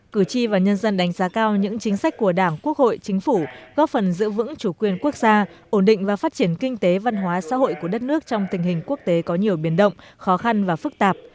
cử tri và nhân dân đánh giá cao những chính sách của đảng quốc hội chính phủ góp phần giữ vững chủ quyền quốc gia ổn định và phát triển kinh tế văn hóa xã hội của đất nước trong tình hình quốc tế có nhiều biển động khó khăn và phức tạp